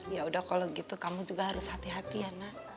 ya udah kalau gitu kamu juga harus hati hati ya nak